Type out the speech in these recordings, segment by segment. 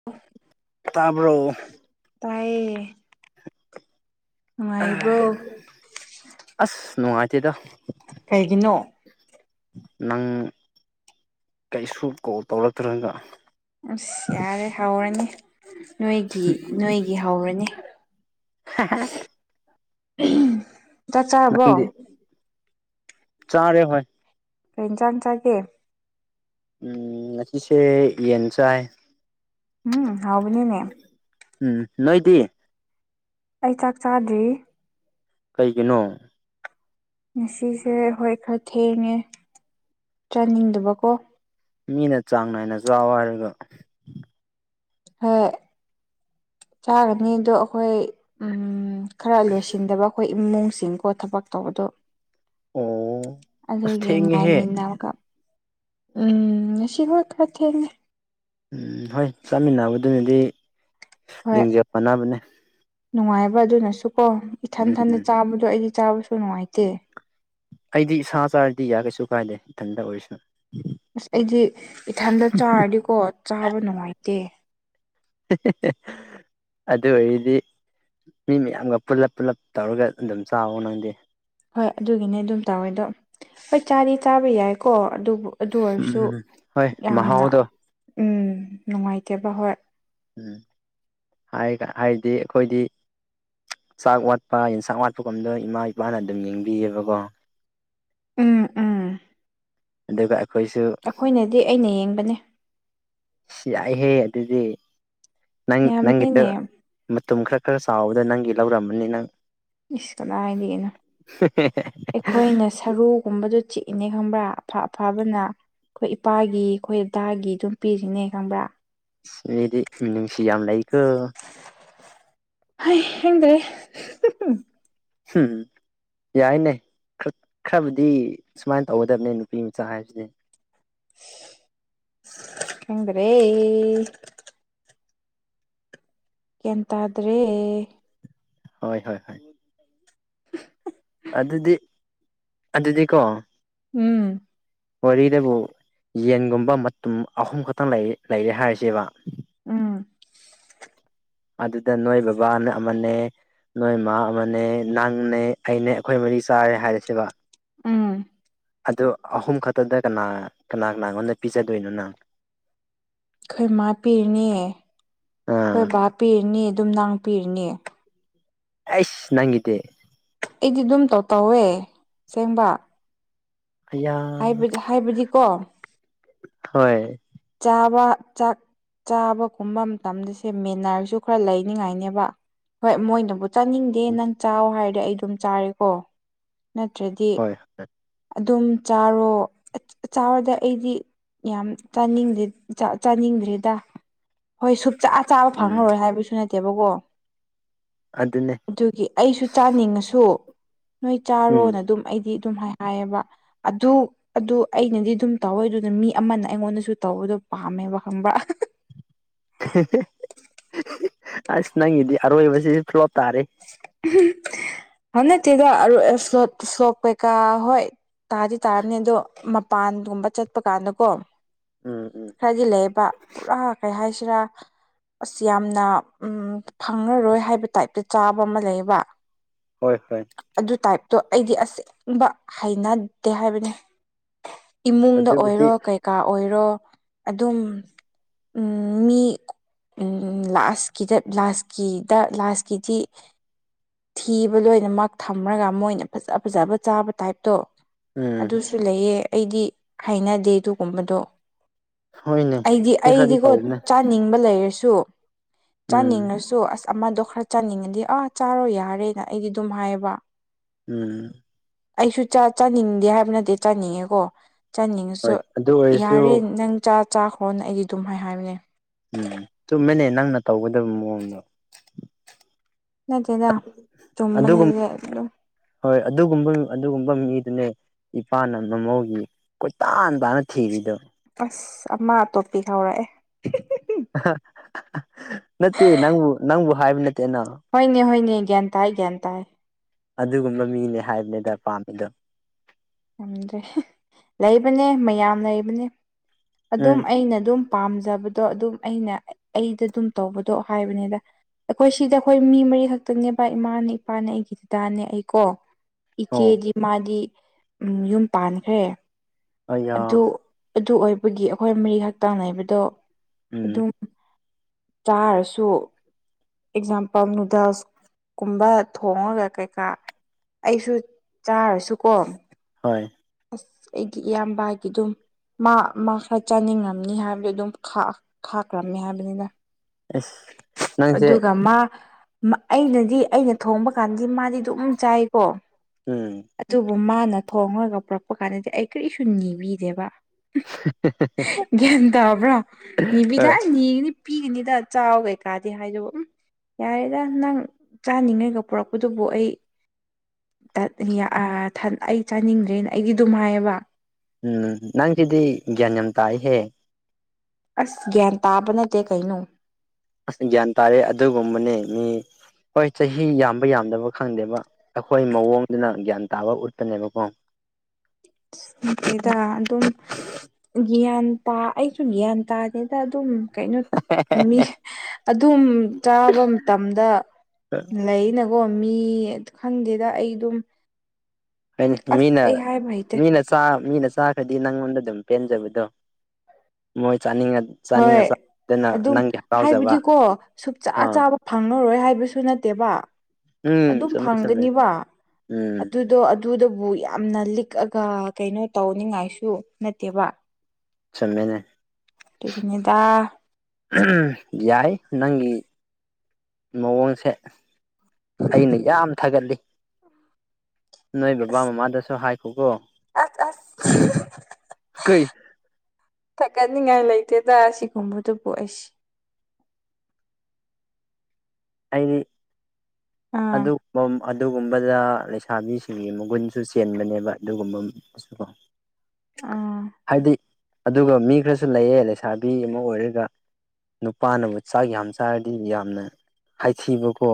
[inaudible] ꯇꯥꯕꯔꯣ ꯇꯥꯏꯌꯦ ꯅꯨꯡꯉꯥꯏꯔꯤꯕ꯭ꯔꯣ ꯑꯁ ꯅꯨꯡ ꯉꯥꯏꯇꯦꯗ ꯀꯩꯒꯤꯅꯣ ꯅꯪ ꯀꯩꯁꯨ ꯀꯣꯜ ꯇꯧꯔꯛꯇ꯭ꯔꯒ ꯑꯁ ꯌꯥꯔꯦ ꯍꯧꯔꯅꯤ ꯅꯣꯏꯒꯤ ꯅꯣꯏꯒꯤ ꯍꯧꯔꯅꯤ ꯆꯥꯛ ꯆꯥꯔꯕꯣ ꯅꯪꯗꯤ ꯆꯥꯔꯦ ꯍꯣꯏ ꯀ ꯏꯟ ꯆꯥꯡ ꯆꯥꯒꯦ ꯎꯝ ꯉꯁꯤꯁꯦ ꯌꯦꯟ ꯆꯥꯏ ꯎꯝ ꯍꯥꯎꯕꯅꯤꯅꯦ ꯎꯝ ꯅꯣꯏꯗꯤ ꯑꯩ ꯆꯥꯛ ꯆꯥꯗ꯭ꯔꯤ ꯀꯩꯒꯤꯅꯣ ꯉꯁꯤꯁꯦ ꯍꯣꯏ ꯈꯔ ꯊꯦꯡꯉꯦ ꯆꯥꯅꯤꯡꯗꯕꯀꯣ ꯃꯤꯅ ꯆꯥꯡ ꯅꯥꯏꯅ ꯆꯥꯎꯋ ꯍꯥꯏꯔꯒ ꯍꯣꯏ ꯆꯥꯒꯅꯤ ꯑꯗꯣ ꯑꯩꯈꯣꯏ ꯎꯝ ꯈꯔ ꯂꯣꯏꯁꯤꯟꯗꯕ ꯑꯩꯈꯣꯏ ꯏꯃꯨꯡꯁꯤꯡꯀꯣ ꯊꯕꯛ ꯇꯧꯕꯗꯣ ꯑꯣ ꯑꯁ ꯑꯗꯨꯒꯤ ꯊꯦꯡꯉꯦꯍꯦ ꯉꯥꯏꯃꯤꯟꯅꯔꯒ ꯎꯝ ꯉꯁꯤ ꯍꯣꯏ ꯈ ꯊꯦꯡ ꯎꯝ ꯍꯣꯏ ꯆꯠꯃꯤꯟꯅꯕꯗꯨꯅꯗꯤ ꯍꯣꯏ ꯂꯤꯡꯖꯦꯜ ꯃꯅꯕꯅꯦ ꯅꯨꯡꯉꯥꯏꯕ ꯑꯗꯨꯅꯁꯨ ꯀꯣ ꯏꯊꯟ ꯊꯟꯗ ꯎꯝ ꯆꯥꯕꯗꯣ ꯑꯩꯗꯤ ꯆꯥꯕꯁꯨ ꯅꯨꯡꯉꯥꯏꯇꯦ ꯑꯩꯗꯤ ꯁꯥ ꯆꯥꯔꯁꯨ ꯌꯥꯢ ꯀꯩꯁꯨ ꯀꯥꯏꯗꯦ ꯏꯊꯟꯇ ꯑꯣꯏꯔꯁꯨ ꯑꯁ ꯑꯩꯗꯤ ꯏꯊꯟꯇ ꯆꯥꯔꯗꯤꯀꯣ ꯆꯥꯕ ꯅꯨꯡꯉꯥꯏꯇꯦ ꯍꯦ ꯍꯦ ꯍꯦ ꯑꯗꯨ ꯑꯣꯏꯔꯗꯤ ꯃꯤ ꯃꯌꯥꯝꯒ ꯄꯨꯜꯂꯞ ꯄꯨꯜꯂꯞ ꯇꯧꯔꯒ ꯑꯗꯨꯝ ꯆꯥꯎꯋꯣ ꯅꯪꯗꯦ ꯍꯣꯏ ꯑꯗꯨꯒꯤꯅꯦ ꯑꯗꯨꯝ ꯇꯧꯋꯦ ꯑꯗꯣ ꯍꯣꯏ ꯆꯥꯗꯤ ꯆꯥꯕ ꯌꯥꯏꯀꯣ ꯑꯗꯨꯕꯨ ꯑꯗꯨ ꯎꯝ ꯑꯣꯏꯔꯁꯨ ꯍꯣꯏ ꯌꯥꯝꯅ ꯃꯍꯥꯎꯗꯣ ꯅꯨꯡꯉꯥꯏꯇꯦꯕ ꯍꯣꯏ ꯎꯝ ꯍꯥꯏ ꯍꯥꯏꯗꯤ ꯑꯩꯈꯣꯏꯗꯤ ꯆꯥꯛ ꯋꯥꯠꯄ ꯌꯦꯟꯁꯥꯡ ꯋꯥꯠꯄꯒꯨꯝꯕꯗ ꯏꯃꯥ ꯏꯄꯥꯅ ꯑꯗꯨꯝ ꯌꯦꯡꯕꯤꯌꯦꯕꯀꯣ ꯎꯝ ꯎꯝ ꯑꯗꯨꯒ ꯑꯩꯈꯣꯏꯁꯨ ꯑꯩꯈꯣꯏꯅꯗꯤ ꯑꯩꯅ ꯌꯦꯡꯕꯅꯦ ꯌꯥꯏꯍꯦ ꯑꯗꯨꯗꯤ ꯅꯪ ꯅꯪꯒꯤꯇ ꯌꯥꯝꯕꯅꯤꯅꯦ ꯃꯇꯝ ꯈꯔ ꯈꯔ ꯆꯥꯎꯕꯗ ꯅꯪꯒꯤ ꯂꯧꯔꯝꯃꯅꯤ ꯅꯪ ꯏꯁ ꯀꯗꯥꯏꯗꯒꯤꯅꯣ ꯍꯦ ꯍꯦ ꯍꯦ ꯑꯩꯈꯣꯏꯅ ꯁꯔꯨꯒꯨꯝꯕꯗ ꯆꯤꯛꯏꯅꯦ ꯈꯪꯕ꯭ꯔꯥ ꯑꯐ ꯑꯐꯕꯅ ꯑꯩꯈꯣꯏ ꯏꯄꯥꯒꯤ ꯑꯩꯈꯣꯏ ꯑꯗꯥꯒꯤ ꯑꯗꯨꯝ ꯄꯤꯔꯤꯁꯤꯅꯦ ꯈꯪꯕ꯭ꯔꯥ ꯁꯤꯗꯤ ꯃꯤꯅꯨꯡꯁꯤ ꯌꯥꯝ ꯂꯩꯀꯣ ꯍꯩ ꯍꯦꯡꯗꯦ ꯍꯝ ꯌꯥꯏꯅꯦ ꯈꯔꯕꯨꯗꯤ ꯁꯨꯃꯥꯏꯅ ꯇꯧꯒꯗꯕꯅꯦ ꯅꯨꯄꯤ ꯃꯆꯥ ꯍꯥꯏꯕꯁꯤꯗꯤ ꯈꯪꯗ꯭ꯔꯦ ꯒ꯭ꯌꯥꯟ ꯇꯥꯗ꯭ꯔꯦ ꯍꯣꯏ ꯍꯣꯏ ꯍꯣꯏ ꯑꯗꯨꯗꯤ ꯑꯗꯨꯗꯤꯀꯣ ꯎꯝ ꯋꯥꯔꯤꯗꯕꯨ ꯌꯦꯟꯒꯨꯝꯕ ꯃꯇꯨꯝ ꯑꯍꯨꯝ ꯈꯛꯇꯪ ꯂꯩꯔꯦ ꯍꯥꯏꯔꯁꯦꯕ ꯎꯝ ꯑꯗꯨꯗ ꯅꯣꯏ ꯕꯕꯥꯅ ꯑꯃꯅꯦ ꯅꯣꯏ ꯏꯃ ꯑꯃꯅꯦ ꯅꯪꯅꯦ ꯑꯩꯅꯦ ꯑꯩꯈꯣꯏ ꯃꯔꯤ ꯆꯥꯔꯦ ꯍꯥꯏꯔꯁꯦꯕ ꯎꯝ ꯑꯗꯨ ꯑꯍꯨꯝ ꯈꯛꯇꯗ ꯀꯅꯥ ꯀꯅꯥ ꯀꯅꯥꯉꯣꯟꯗ ꯄꯤꯖꯗꯣꯏꯅꯣ ꯅꯪ ꯑꯩꯈꯣꯏ ꯏꯃꯥ ꯄꯤꯔꯅꯦ ꯑꯩꯈꯣꯏ ꯑꯥ ꯕꯥ ꯄꯤꯔꯅꯤ ꯑꯗꯨꯝ ꯅꯪ ꯄꯤꯔꯅꯦ ꯑꯁ ꯅꯪꯒꯤꯗꯤ ꯑꯩꯗꯤ ꯑꯗꯨꯝ ꯇꯧ ꯇꯧꯋꯦ ꯁꯦꯡꯕ ꯑꯌꯥ ꯍꯥꯏꯕꯗꯤ ꯍꯥꯏꯕꯗꯤꯀꯣ ꯍꯣꯏ ꯆꯥꯕ ꯆꯥꯛ ꯆꯥꯕ ꯀꯨꯝꯕ ꯃꯇꯝꯗꯁꯦ ꯃꯦꯟꯅꯔꯁꯨ ꯈꯔ ꯂꯩꯅꯤꯉꯥꯏꯅꯦꯕ ꯍꯣꯏ ꯃꯣꯏꯅꯕꯨ ꯆꯥꯅꯤꯡꯗꯦ ꯅꯪ ꯆꯥꯎ ꯍꯥꯏꯔꯗꯤ ꯑꯩ ꯑꯗꯨꯝ ꯆꯥꯔꯦꯀꯣ ꯅꯠꯇ꯭ꯔꯗꯤ [unintelligible] ꯑꯗꯨꯝ ꯆꯥꯔꯣ ꯆꯥꯔꯣꯗ ꯑꯩꯗꯤ ꯌꯥꯝ ꯆꯥꯅꯤꯡꯗꯦ ꯆꯥꯅꯤꯡꯗ꯭ꯔꯤꯗ ꯍꯣꯏ ꯁꯨꯡꯆꯥꯥ ꯆꯥꯕ ꯎꯝ ꯐꯪꯉꯔꯣꯏ ꯍꯥꯏꯕꯁꯨ ꯅꯠꯇꯦꯕꯀꯣ ꯑꯗꯨꯅꯦ ꯑꯗꯨꯒꯤ ꯑꯩꯁꯨ ꯆꯥꯅꯤꯡꯉꯁꯨ ꯅꯣꯏ ꯆꯥꯔꯣꯅ ꯎꯝ ꯑꯗꯨꯝ ꯑꯩꯗꯤ ꯑꯗꯨꯝ ꯍꯥꯏ ꯍꯥꯏꯌꯦꯕ ꯑꯗꯨ ꯑꯗꯨ ꯑꯩꯅꯗꯤ ꯑꯗꯨꯝ ꯇꯧꯋꯦ ꯑꯗꯨꯅ ꯃꯤ ꯑꯃꯅ ꯑꯩꯉꯣꯟꯗꯁꯨ ꯇꯧꯕꯗꯣ ꯄꯥꯝꯃꯦꯕ ꯈꯪꯕ꯭ꯔ ꯑꯁ ꯅꯪꯒꯤꯗꯤ ꯑꯔꯣꯏꯕꯁꯤ ꯐ꯭ꯂꯣꯞ ꯇꯥꯔꯦ ꯅꯠꯇꯦꯗ ꯑꯔꯣꯏ ꯐꯣꯠ ꯐꯣꯞ ꯀꯩꯀ ꯍꯣꯏ ꯇꯥꯗꯤ ꯇꯥꯔꯝꯅꯤ ꯑꯗꯣ ꯃꯄꯥꯟꯒꯨꯝꯕ ꯆꯠꯄ ꯀꯥꯟꯗꯀꯣ ꯎꯝ ꯎꯝ ꯈꯔꯗꯤ ꯂꯩꯌꯦꯕ ꯄꯨꯔꯥ ꯀꯩ ꯍꯥꯏꯁꯤꯔꯥ ꯑꯁ ꯌꯥꯝꯅ ꯐꯪꯉꯔꯣꯏ ꯍꯥꯏꯕ ꯇꯥꯏꯞꯇ ꯆꯥꯕ ꯑꯃ ꯂꯩꯌꯦꯕ ꯍꯣꯏ ꯍꯣꯏ ꯑꯗꯨ ꯇꯥꯏꯞꯇꯣ ꯑꯩꯗꯤ ꯑꯁꯦꯡꯕ ꯍꯩꯅꯗꯦ ꯍꯥꯏꯕꯅꯤ ꯏꯃꯨꯡꯗ ꯑꯗꯨꯕꯨꯗꯤ ꯑꯣꯏꯔꯣ ꯀꯩꯀꯥ ꯑꯣꯏꯔꯣ ꯑꯗꯨꯝ ꯃꯤ ꯂꯥꯁꯀꯤꯗ ꯂꯥꯁꯀꯤꯗ ꯂꯥꯁꯀꯤꯗꯤ ꯊꯤꯕ ꯂꯣꯏꯅꯃꯛ ꯊꯝꯃꯒ ꯃꯣꯏꯅ ꯐꯖ ꯐꯖꯕ ꯆꯥꯕ ꯇꯥꯏꯞꯇꯣ ꯎꯝ ꯑꯗꯨꯁꯨ ꯂꯩꯌꯦ ꯑꯩꯗꯤ ꯍꯥꯏꯅꯗꯦ ꯑꯗꯨꯒꯨꯝꯕꯗꯣ ꯍꯣꯏꯅꯦ ꯑꯩꯗꯤ ꯃꯤ ꯈꯔꯗꯤ ꯑꯩꯗꯤꯀꯣ ꯆ ꯇꯧꯕꯅꯦ ꯆꯥꯅꯤꯡꯕ ꯂꯩꯔꯁꯨ ꯎꯝ ꯆꯥꯅꯤꯡꯉꯁꯨ ꯑꯁ ꯑꯃꯗꯣ ꯈꯔ ꯆꯥꯅꯤꯡꯉꯗꯤ ꯑꯥ ꯆꯥꯔꯣ ꯌꯥꯔꯦꯅ ꯑꯩꯗꯤ ꯑꯗꯨꯝ ꯍꯥꯏꯕ ꯎꯝ ꯑꯩꯁꯨ ꯆꯥꯅꯤꯡꯗꯦ ꯍꯥꯏꯕ ꯅꯠꯇꯦ ꯆꯥꯅꯤꯡꯉꯦꯀꯣ ꯆꯥꯅꯤꯡꯉꯁꯨ ꯍꯣꯏ ꯑꯗꯨ ꯑꯣꯏꯔꯁꯨ ꯌꯥꯔꯦ ꯅꯪ ꯆꯥ ꯆꯥꯈ꯭ꯔꯣꯅ ꯑꯩꯗꯤ ꯑꯗꯨꯝ ꯍꯥꯏ ꯍꯥꯏꯕꯅꯦ ꯎꯝ ꯆꯨꯝꯃꯦꯅꯦ ꯅꯪꯅ ꯇꯧꯒꯗꯕ ꯃꯑꯣꯡꯗꯣ ꯅꯠꯇꯗ ꯆꯨꯝꯕꯅ ꯑꯗꯨꯒꯨꯝ ꯍꯣꯏ ꯑꯗꯨꯒꯨꯝꯕ ꯑꯗꯨꯒꯨꯝꯕ ꯃꯤꯗꯨꯅꯦ ꯏꯄꯥꯅ ꯃꯃꯧꯒꯤ ꯀꯣꯏꯇꯥꯟ ꯇꯥꯅ ꯊꯔꯤꯗꯣ ꯑꯁ ꯑꯃꯥ ꯑꯇꯣꯞꯄꯤ ꯍꯧꯥꯎꯔꯛꯑꯦ ꯅꯠꯇꯦ ꯅꯪꯕꯨ ꯅꯪꯕꯨ ꯍꯥꯏꯕ ꯅꯠꯇꯦꯅꯣ ꯍꯣꯏꯅꯦ ꯍꯣꯏꯅꯦ ꯭ꯌꯥꯟ ꯇꯥꯏ ꯭ꯌꯥꯟ ꯇꯥꯏ ꯑꯗꯨꯒꯨꯝꯕ ꯃꯤꯅꯦ ꯍꯥꯏꯕꯅꯤꯗ ꯄꯥꯝꯃꯤꯗꯣ ꯌꯥꯝꯗ꯭ꯔꯦ ꯂꯩꯕꯅꯦ ꯃꯌꯥꯝ ꯂꯩꯕꯅꯦ ꯑꯗꯨꯝ ꯎꯝ ꯑꯩꯅ ꯑꯗꯨꯝ ꯄꯥꯝꯖꯕꯗꯣ ꯑꯗꯨꯝ ꯑꯩꯅ ꯑꯩꯗ ꯑꯗꯨꯝ ꯇꯧꯕꯗꯣ ꯍꯥꯏꯕꯅꯤꯗ ꯑꯩꯈꯣꯏ ꯁꯤꯗ ꯑꯩꯈꯣꯏ ꯃꯤ ꯃꯔꯤ ꯈꯛꯇꯪꯅꯦ ꯕꯥ ꯏꯃꯥꯅꯦ ꯏꯄꯥꯅꯦ ꯑꯩꯒꯤ ꯗꯗꯥꯅꯦ ꯑꯩꯀꯣ ꯑꯣ ꯏꯆꯦꯗꯤ ꯃꯥꯗꯤ ꯌꯨꯝ ꯄꯥꯟꯈ꯭ꯔꯦ ꯑꯩꯌꯥ ꯑꯗꯨ ꯑꯗꯨ ꯑꯣꯏꯕꯒꯤ ꯑꯩꯈꯣꯏ ꯃꯔꯤ ꯍꯛꯛꯇꯥꯡꯅꯥꯏꯕꯗꯣ ꯎꯝ ꯑꯗꯨꯝ ꯆꯥꯔꯁꯨ ꯑꯦꯛꯖꯥꯝꯄꯜ ꯅꯨꯗꯜꯁ ꯀꯨꯝꯕ ꯊꯣꯡꯉꯒ ꯀꯩꯀꯥ ꯑꯩꯁꯨ ꯆꯥꯔꯁꯨꯀꯣ ꯍꯣꯏ ꯑꯁ ꯑꯩꯒꯤ ꯏꯌꯥꯝꯕꯒꯤꯗꯨꯝ ꯃꯥ ꯃꯥ ꯈꯔ ꯆꯥꯅꯤꯡꯉꯅꯤ ꯍꯥꯏꯕꯗꯨ ꯑꯗꯨꯝ ꯈꯥꯛꯈ꯭ꯔꯕꯅꯤ ꯍꯥꯏꯕꯅꯤꯅ ꯑꯁ ꯅꯪꯁꯦ ꯑꯗꯨꯒ ꯃꯥ ꯑꯩꯅꯗꯤ ꯑꯩꯅ ꯊꯣꯡꯕ ꯀꯥꯟꯗꯤ ꯃꯥꯗꯤ ꯑꯗꯨꯝ ꯆꯥꯏꯀꯣ ꯎꯝ ꯑꯗꯨꯕꯨ ꯃꯥꯅ ꯊꯣꯡꯉꯒ ꯄꯨꯔꯛꯄ ꯀꯥꯟꯗꯗꯤ ꯑꯩ ꯀꯔꯤꯁꯨ ꯅꯤꯕꯤꯅꯦꯦꯕ ꯒ꯭ꯌꯥꯟ ꯇꯥꯕ꯭ꯔꯣ ꯅꯤꯕꯤꯗ ꯍꯣꯏ ꯅꯤꯒꯅꯤ ꯄꯤꯒꯅꯤꯗ ꯆꯥꯎ ꯀꯩꯀꯥꯗꯤ ꯍꯥꯏꯗꯕ ꯎ ꯌꯥꯔꯦꯗ ꯅꯪ ꯆꯥꯅꯤꯡꯉꯩꯒ ꯄꯨꯔꯛꯄꯗꯨꯕꯨ ꯑꯩ ꯑꯩ ꯆꯥꯅꯤꯡꯗ꯭ꯔꯦꯅ ꯑꯩꯒꯤ ꯉꯥꯏꯌꯦꯕ ꯎꯝ ꯅꯪꯁꯤꯗꯤ ꯒ꯭ꯌꯥꯟ ꯌꯥꯝ ꯇꯥꯛꯏꯍꯦ ꯑꯁ ꯒ꯭ꯌꯥꯟ ꯇꯥꯕ ꯅꯠꯇꯦ ꯀꯩꯅꯣ ꯒ꯭ꯌꯥꯟ ꯇꯥꯔꯦ ꯑꯗꯨꯒꯨꯝꯕꯅꯦ ꯃꯤ ꯍꯣꯏ ꯆꯍꯤ ꯌꯥꯝꯕ ꯌꯥꯝꯗꯕ ꯈꯪꯗꯦꯕ ꯑꯩꯈꯣꯏ ꯃꯑꯣꯡꯗꯨꯅ ꯒ꯭ꯌꯥꯟ ꯇꯥꯕ ꯎꯠꯄꯅꯦꯕꯀꯣ ꯦꯗ ꯑꯗꯨꯝ ꯒ꯭ꯌꯥꯟ ꯇꯥ ꯑꯩꯁꯨ ꯒ꯭ꯌꯥꯟ ꯇꯥꯅꯤꯗ ꯑꯗꯨꯝ ꯀꯩꯅꯣ ꯃꯤ ꯑꯗꯨꯝ ꯆꯥꯕ ꯃꯇꯝꯗ ꯂꯩꯅ ꯑꯣꯣ ꯃꯤ ꯈꯪꯗꯦꯗ ꯑꯩ ꯑꯗꯨꯝ ꯑꯁ ꯃꯤꯅ ꯑꯩ ꯍꯥꯏꯕ ꯍꯩꯇꯦ ꯃꯤꯅ ꯆꯥ ꯃꯤꯅ ꯆꯥꯈ꯭ꯔꯗꯤ ꯅꯪꯉꯣꯟꯗ ꯑꯗꯨꯝ ꯄꯦꯟꯖꯕꯗꯣ ꯃꯣꯏ ꯆꯥꯅꯤꯡꯉ ꯆꯥꯅꯤꯡꯉ ꯍꯣꯏ ꯆꯥꯗꯅ ꯑꯗꯨꯝ ꯅꯪꯒꯤ ꯍꯔꯥꯎꯖꯕ ꯍꯥꯏꯕꯗꯤꯀꯣ ꯁꯨꯡ ꯆꯥ ꯑꯥ ꯆꯥꯕ ꯐꯪꯂꯉꯔꯣꯏ ꯍꯥꯏꯕꯁꯨ ꯅꯠꯇꯦꯕ ꯎꯝ ꯑꯗꯨꯝ ꯆꯨꯝꯃꯦ ꯆꯨꯝꯃꯦ ꯐꯪꯒꯅꯤꯕ ꯎꯝ ꯑꯗꯨꯗꯣ ꯑꯗꯨꯗꯕꯨ ꯌꯥꯝꯅ ꯂꯤꯛꯑꯒ ꯀꯩꯅꯣ ꯇꯧꯅꯤꯡꯉꯥꯏꯁꯨ ꯅꯠꯇꯦꯕ ꯆꯟꯃꯦꯅꯦ ꯑꯗꯨꯔꯤꯅꯦꯗ ꯌꯥꯏ ꯅꯪꯒꯤ ꯃꯑꯣꯡꯁꯦ ꯑꯩꯅ ꯌꯥꯝ ꯊꯥꯒꯠꯂꯤ ꯅꯣꯏ ꯕꯕꯥ ꯑꯁ ꯃꯃꯥꯗꯁꯨ ꯍꯥꯏꯈꯣꯀꯣ ꯑꯁ ꯑꯁ ꯀꯩ ꯊꯥꯒꯠꯅꯤꯡꯉꯥꯏ ꯂꯩꯇꯦꯗ ꯁꯤꯒꯨꯝꯕꯗꯨꯕꯨ ꯑꯩꯁꯦ ꯑꯩꯗꯤ ꯑꯥ ꯑꯗꯨ ꯑꯗꯨꯒꯨꯝꯕꯗ ꯂꯩꯁꯥꯕꯤꯁꯤꯡꯒꯤ ꯃꯒꯨꯟꯁꯨ ꯆꯦꯟꯕꯅꯦꯕ ꯑꯗꯨꯒꯨꯝꯕꯗꯁꯨ ꯀꯣ ꯑꯥ ꯍꯥꯏꯗꯤ ꯑꯗꯨꯒ ꯃꯤ ꯈꯔꯁꯨ ꯂꯩꯌꯦ ꯂꯩꯁꯥꯕꯤ ꯑꯃ ꯑꯣꯏꯔꯒ ꯅꯨꯄꯥꯅꯕꯨ ꯆꯥꯛ ꯌꯥꯝ ꯆꯥꯔꯗꯤ ꯌꯥꯝꯅ ꯍꯥꯏꯊꯤꯕꯀꯣ꯫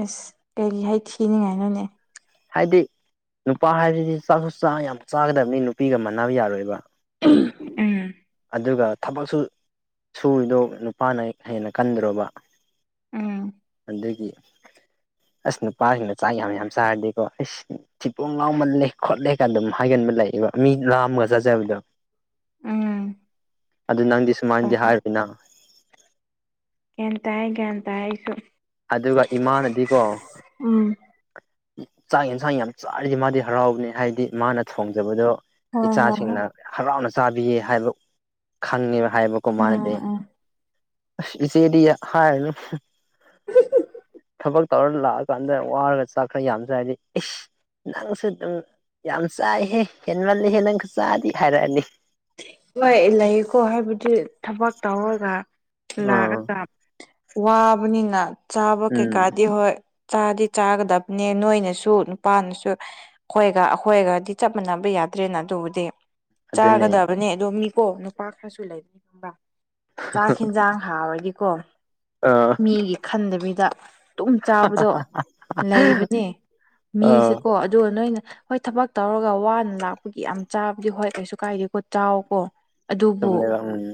ꯑꯁ ꯀꯩꯒꯤ ꯍꯥꯏꯊꯤꯅꯤꯡꯉꯥꯏꯅꯣꯅꯦ꯫ ꯍꯥꯏꯗꯤ ꯅꯨꯄꯥ ꯍꯥꯏꯕꯁꯤꯗꯤ ꯆꯥꯛꯁꯨ ꯆ ꯌꯥꯝ ꯆꯥꯒꯗꯕꯅꯤ ꯅꯨꯄꯤꯒ ꯃꯥꯟꯅꯕ ꯌꯥꯔꯣꯏꯕ꯫ ꯎꯝ ꯑꯗꯨꯒ_ _ ꯊꯕꯛꯁꯨ ꯁꯨꯔꯤꯗꯣ ꯅꯨꯄꯥꯅ ꯍꯦꯟꯅ ꯀꯟꯗ꯭ꯔꯣꯕ꯫ ꯎꯝ_ _ ꯑꯗꯨꯒꯤ ꯑꯁ ꯅꯨꯄꯥꯒꯤꯅ ꯆꯥꯛ ꯌꯥꯝ ꯌꯥꯝ ꯆꯥꯔꯗꯤ_ _ ꯀꯣ ꯏꯁ ꯊꯤꯕꯣꯡ ꯂꯥꯎꯃꯜꯂꯦ ꯈꯣꯠꯂꯦꯒ ꯑꯗꯨꯝ ꯍꯥꯏꯒꯟꯕ ꯂꯩꯌꯦꯕ ꯃꯤ ꯂꯥꯝꯃꯒ ꯆꯥꯖꯕꯗꯣ꯫ ꯎꯝ_ _ ꯑꯗꯨ ꯅꯪꯗꯤ ꯁꯨꯃꯥꯏꯅꯗꯤ ꯍꯣꯏ ꯍꯥꯏꯔꯤꯏꯅ꯫ ꯒ꯭ꯌꯥꯟ ꯇꯥꯏ ꯒ꯭ꯌꯥꯟ ꯇꯥꯏ ꯑꯩꯁꯨ꯫ ꯑꯗꯨꯒ ꯏꯃꯥꯅꯗꯤꯀꯣ_ _ ꯎꯝ ꯆꯥꯛ ꯌꯦꯟꯁꯥꯡ ꯌꯥꯝ ꯆꯥꯔꯤꯗꯤ ꯃꯥꯗꯤ ꯍꯔꯥꯎꯕꯅꯦ ꯍꯥꯏꯗꯤ ꯃꯥꯅ ꯊꯣꯡꯖꯕꯗꯣ_ _ ꯍꯣꯏ ꯍꯣꯏ ꯍꯣꯏ ꯏꯆꯥꯁꯤꯡꯅ ꯍꯔꯥꯎꯅ ꯆꯥꯕꯤꯌꯦ ꯍꯥꯏꯕ ꯈꯪꯉꯦꯕ꯫ ꯍꯥꯏꯕ ꯀꯣ ꯃꯥꯟꯅꯗꯤ ꯎꯝ ꯎꯝ ꯏꯆꯦꯗꯤ ꯍꯥꯏꯔꯅꯨ_ _ [unintelligible] ꯊꯕꯛ ꯇꯧꯔ ꯂꯥꯛꯑꯀꯥꯟꯗ ꯋꯥꯔꯒ ꯆꯥꯛ ꯈꯔ ꯌꯥꯝ ꯆꯥꯔꯗꯤ ꯏꯁ _ _ ꯅꯪꯁꯨ ꯑꯗꯨꯝ ꯌꯥꯝ ꯆꯥꯏꯍꯦ ꯍꯦꯟꯃꯜꯂꯤꯍꯦ ꯅꯪꯁꯨ ꯆꯥꯗꯤ ꯍꯥꯏꯔꯛꯑꯅꯤ꯫ ꯍꯣꯏ ꯂꯩꯌꯦꯀꯣ ꯍꯥꯏꯕꯗꯤ ꯊꯕꯛ ꯇꯧꯔꯒ꯫ ꯑꯥ ꯂꯥꯛꯑꯒ ꯋꯥꯕꯅꯤꯅ ꯆꯥꯕ ꯎꯝ ꯀꯩꯀꯥꯗꯤ ꯍꯣꯏ_ _ ꯆꯥꯗꯤ ꯆꯥꯒꯗꯕꯅꯦ ꯅꯣꯏꯅꯁꯨ ꯅꯨꯄꯥꯅꯁꯨ꯫ ꯈꯣꯏꯒ ꯑꯈꯣꯏꯒꯗꯤ ꯆꯞ ꯃꯥꯟꯅꯕ ꯌꯥꯗ꯭ꯔꯦꯅ ꯑꯗꯨꯕꯨꯗꯤ꯫ ꯑꯗꯨꯅꯦ ꯆꯥꯒꯗꯕꯅꯦ ꯑꯗꯣ ꯃꯤꯀꯣ ꯅꯨꯄꯥ ꯈꯔꯁꯨ ꯂꯩꯕꯅꯦꯕ __ ꯆꯥꯛ ꯌꯦꯟꯖꯥꯡ ꯍꯥꯎꯔꯗꯤꯀꯣ_ _ ꯑ_ _ ꯃꯤꯒꯤ ꯈꯟꯗꯕꯤꯗ ꯃꯤ_ _ ꯗꯨꯨꯝ ꯆꯥꯕꯗꯣ ꯂꯩꯕꯅꯦ ꯑꯥ ꯃꯤꯁꯦꯀꯣ ꯑꯗꯣ ꯅꯣꯏꯅ_ _ ꯍꯣꯏ ꯊꯕꯛ ꯇꯧꯔꯒ ꯋꯥꯅ ꯂꯥꯛꯄꯒꯤ ꯌꯥꯝ ꯆꯥꯕꯗꯤ ꯍꯣꯏ ꯀ꯭ꯕꯤꯁꯨ ꯀꯥꯏꯗꯦꯀꯣ ꯆꯥꯑꯣꯀꯣ꯫ ꯑꯗꯨꯕꯨ ꯆꯨꯝꯃꯦꯕ ꯎꯝ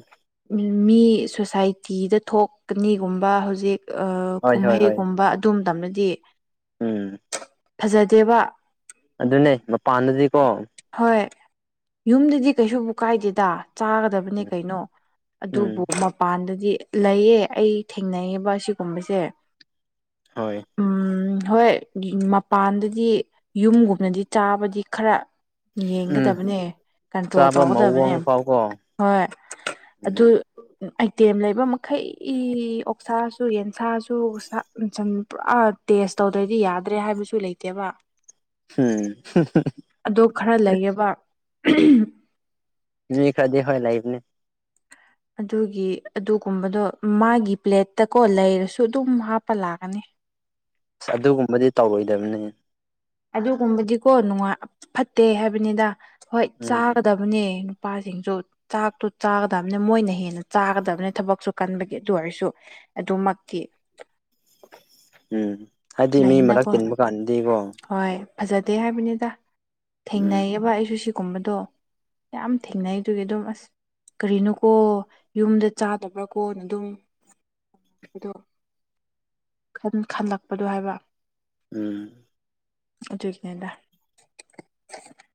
ꯝꯟ ꯃꯤ ꯁꯣꯁꯥꯏꯇꯤꯗ ꯊꯣꯛꯀꯅꯤꯒꯨꯝꯕ ꯍꯧꯖꯤꯛ_ _ ꯑ ꯍꯣꯏ ꯍꯣꯏ ꯀꯨꯝꯍꯩꯒꯨꯝꯕ ꯑꯗꯨꯝ ꯇꯝꯗꯗꯤ_ _ ꯎꯝ_ _ ꯐꯖꯗꯦꯕ꯫ ꯑꯗꯨꯅꯦ ꯃꯄꯥꯟꯗꯗꯤꯀꯣ_ _ ꯍꯣꯏ ꯌꯨꯝꯗꯨꯗꯤ ꯀꯩꯁꯨꯕꯨ ꯀꯥꯏꯗꯦꯗ ꯆꯥꯒꯗꯕ_ _ ꯑꯗꯨꯅꯤ ꯀꯩꯅꯣ ꯎꯝ ꯑꯗꯨꯕꯨ [unintelligible] ꯄꯥꯟꯗꯗꯤ ꯂꯩꯌꯦ ꯑꯩ ꯊꯦꯡꯅꯩꯌꯦꯕ ꯑꯁꯤꯒꯨꯝꯕꯁꯦ꯫ ꯍꯣꯏ꯫ ꯎꯝ ꯍꯣꯏ ꯃꯄꯥꯟꯗꯗꯤ ꯌꯨꯝꯒꯨꯝꯅꯗꯤ ꯆꯥꯕꯗꯤ ꯈꯔ ꯎꯝ ꯌꯦꯡꯒꯗꯕꯅꯦ ꯀꯟꯇ꯭ꯔꯣꯜ ꯆꯥꯕ ꯇꯧꯒꯗꯕꯅꯦ ꯃꯑꯣꯡ ꯐꯥꯎꯀꯣ ꯍꯣꯏ ꯎꯝ ꯑꯗꯨ ꯑꯝ ꯑꯥꯏꯇꯦꯝ ꯂꯩꯕ ꯃꯈꯩ ꯑꯣꯛꯁꯥꯁꯨ ꯌꯦꯟꯁꯥꯁꯨ ꯁꯥ ꯁꯟ ꯄꯨꯔꯥ ꯇꯦꯁ ꯇꯧꯗ꯭ꯔꯗꯤ ꯌꯥꯗ꯭ꯔꯦ ꯍꯥꯏꯕꯁꯨ ꯂꯩꯇꯦꯕ ꯍꯝ [unintelligible] ꯑꯗꯣ ꯈꯔ ꯂꯩꯌꯦꯕ ꯑꯝ ꯑꯝ ꯫ ꯃꯤ ꯈ꯭ꯔꯗꯤ ꯍꯣꯏ ꯂꯩꯕꯅꯦ꯫ ꯑꯗꯨꯒꯤ ꯑꯗꯨꯒꯨꯝꯕꯗꯣ ꯃꯥꯒꯤ ꯄ꯭ꯂꯦꯠꯇꯀꯣ ꯂꯩꯔꯁꯨ ꯑꯗꯨꯝ ꯍꯥꯞꯄ ꯂꯥꯛꯀꯅꯤ꯫ ꯑꯁ ꯑꯗꯨꯒꯨꯝꯕꯗꯤ ꯇꯧꯔꯣꯏꯗꯕꯅꯦꯍꯦ ꯑꯗꯨꯒꯨꯝꯕꯗꯤꯀꯣ ꯅꯨꯡꯉꯥꯏ ꯐꯠꯇꯦ ꯍꯥꯏꯕꯅꯤꯗ ꯍꯣꯏ ꯎꯝ ꯆꯥꯒꯗꯕ ꯑꯗꯨꯅꯦ ꯅꯨꯄꯥꯁꯤꯡꯁꯨ ꯆꯥꯛꯇꯨ ꯆꯥꯒꯗꯕꯅꯦ ꯃꯣꯏꯅ ꯍꯦꯟꯅ ꯆꯥꯒꯗꯕꯅꯦ ꯊꯕꯛꯁꯨ ꯀꯟꯕꯒꯤ ꯑꯗꯨ ꯑꯣꯏꯔꯁꯨ ꯑꯗꯨꯃꯛꯀꯤ ꯎꯝ ꯍꯥꯏꯗꯤ ꯃꯤ ꯃꯔꯛ ꯂꯩꯅꯀꯣ ꯇꯤꯟꯕ ꯀꯥꯟꯗꯗꯤꯀꯣ ꯍꯣꯏ ꯐꯖꯗꯦ ꯍꯥꯏꯕꯅꯤꯗ ꯎꯝ ꯊꯦꯡꯅꯩꯌꯦꯑꯕ ꯑꯩꯁꯨ ꯁꯤꯒꯨꯝꯕꯗꯣ ꯌꯥꯝ ꯊꯦꯡꯅꯩ ꯑꯗꯨꯒꯤ ꯑꯗꯨꯝ ꯑꯁ ꯀꯔꯤꯅꯣꯀꯣ ꯌꯨꯝꯗ ꯆꯥꯗꯕ꯭ꯔꯥ ꯀꯣꯅ ꯑꯗꯨꯝ ꯗꯣ ꯈꯜꯂꯛꯄꯗꯣ ꯍꯥꯏꯕ ꯎꯝ ꯆ ꯀꯦꯗ